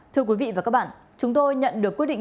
thưa quý vị và các bạn chúng tôi nhận được quyết định